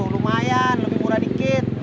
lumayan lebih murah dikit